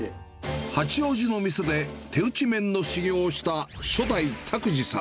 八王子の店で手打ち麺の修業をした初代、卓治さん。